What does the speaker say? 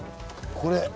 これ。